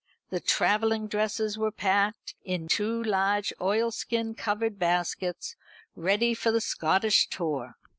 The travelling dresses were packed in two large oilskin covered baskets, ready for the Scottish tour.